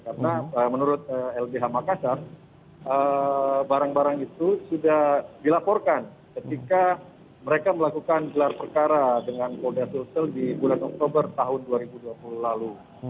karena menurut lbh makassar barang barang itu sudah dilaporkan ketika mereka melakukan gelar perkara dengan folder social di bulan oktober tahun dua ribu dua puluh lalu